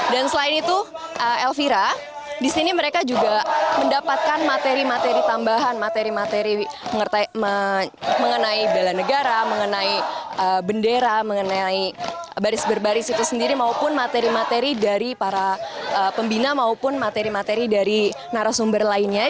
dan selain itu elvira di sini mereka juga mendapatkan materi materi tambahan materi materi mengenai bela negara mengenai bendera mengenai baris baris itu sendiri maupun materi materi dari para pembina maupun materi materi dari narasumber lainnya